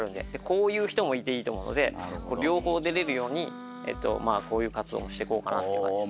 こういう人もいていいと思うので両方出れるようにこういう活動もしてこうかなって感じです。